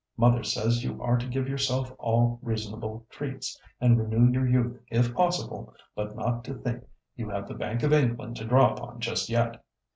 Mother says you are to give yourself all reasonable treats, and renew your youth if possible, but not to think you have the Bank of England to draw upon just yet.